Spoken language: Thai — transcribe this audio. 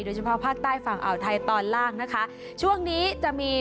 โดยเฉพาะภาคใต้ฝั่งอ่าวไทยตอนล่างนะคะช่วงนี้จะมี